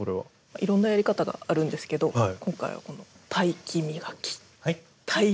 いろんなやり方があるんですけど今回はこのタイキミガキ。